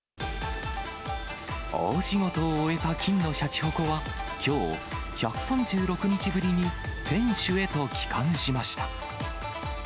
大仕事を終えた金のシャチホコは、きょう、１３６日ぶりに天守へと帰還しました。